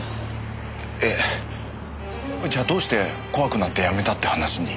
えっじゃあどうして怖くなって辞めたって話に？